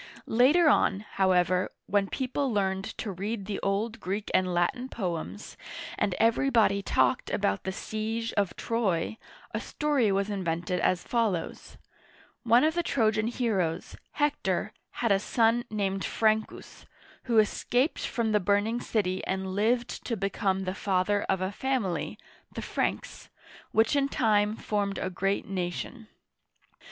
Later on, however, when people learned to read the old Greek and Latin poems, and everybody talked about the siege of Troy, a story was invented as follows: One of the Trojan heroes. Hector, had a son uigiTizea Dy vjiOOQlC THE FRANKS 43 named Ffancus, who escaped from the burning city and lived to become the father of a family, the Franks, which in time formed a great nation.